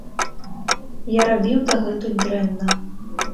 Я рабіў дагэтуль дрэнна.